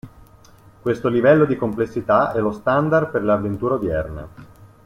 Questo livello di complessità è lo standard per le avventure odierne.